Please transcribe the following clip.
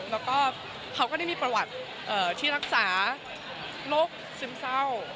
แล้วก็เขาก็ได้มีประวัติที่รักษาโรคซึมเศร้า